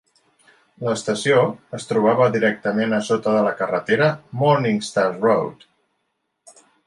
L'estació es trobava directament a sota de la carretera Morningstar Road.